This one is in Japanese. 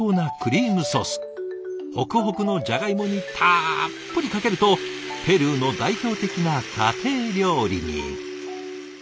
ほくほくのジャガイモにたっぷりかけるとペルーの代表的な家庭料理に。